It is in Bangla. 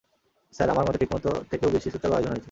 স্যার, আমার মতে ঠিকমতো থেকেও বেশি সুচারু আয়োজন হয়েছে।